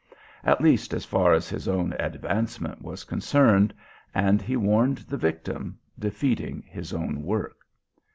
at least as far as his own advancement was concerned, and he warned the victim, defeating his own work.